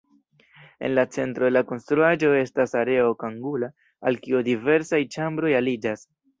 En la centro de la konstruaĵo estas areo okangula, al kio diversaj ĉambroj aliĝas.